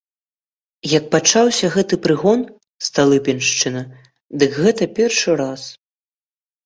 Як пачаўся гэты прыгон, сталыпіншчына, дык гэта першы раз.